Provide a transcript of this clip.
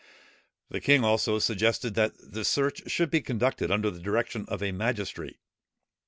The king also suggested that the search should be conducted under the direction of a magistrate.